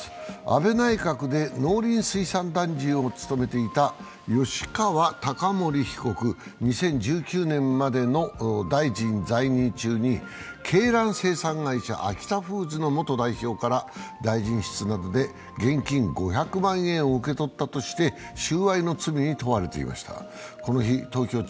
安倍内閣で農林水産大臣を務めていた吉川貴盛被告、２０１９年までの大臣在任中に鶏卵生産会社・アキタフーズの元代表から大臣室などで現金５００万円を受け取ったとして、収賄の罪に問われていました。